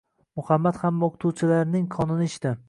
Muhammad hamma oʻqituvchilarning qonini ichdi.